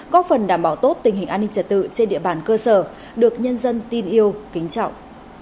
có phần đảm bảo tốt tình hình an ninh trật tự trên địa bàn cơ sở được nhân dân tin yêu kính trọng